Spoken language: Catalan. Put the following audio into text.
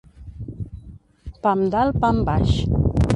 Pam dalt, pam baix.